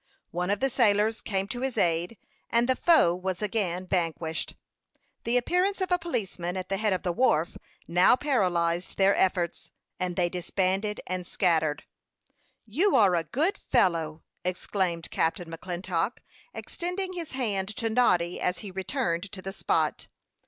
One of the sailors came to his aid, and the foe was again vanquished. The appearance of a policeman at the head of the wharf now paralyzed their efforts, and they disbanded and scattered. "You are a good fellow!" exclaimed Captain McClintock, extending his hand to Noddy as he returned to the spot.